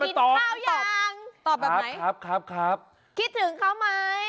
ครับครับครับครับคิดถึงเขาไหม